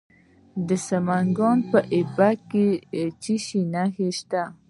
د سمنګان په ایبک کې څه شی شته؟